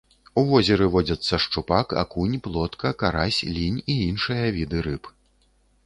У возеры водзяцца шчупак, акунь, плотка, карась, лінь і іншыя віды рыб.